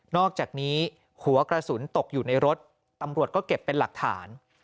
อกจากนี้หัวกระสุนตกอยู่ในรถตำรวจก็เก็บเป็นหลักฐาน